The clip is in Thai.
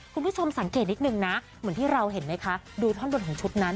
คุณผู้ชมสังเกตนิดนึงนะเหมือนที่เราเห็นไหมคะดูท่อนบนของชุดนั้น